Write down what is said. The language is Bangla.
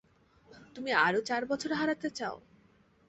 তুমি আরও চার বছর হারাতে চাও?